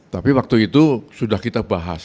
tapi waktu itu sudah kita bahas